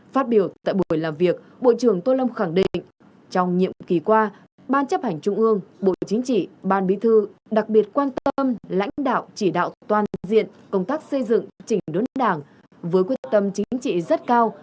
phát biểu tại buổi làm việc bộ trưởng tô lâm khẳng định trong nhiệm kỳ qua ban chấp hành trung ương bộ chính trị ban bí thư đặc biệt quan tâm lãnh đạo chỉ đạo toàn diện công tác xây dựng chỉnh đốn đảng với quyết tâm chính trị rất cao